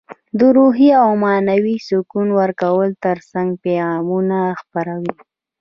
د روحي او معنوي سکون ورکولو ترڅنګ پیغامونه خپروي.